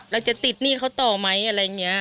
จะติดหนี้เขาต่อไหมอะไรอย่างนี้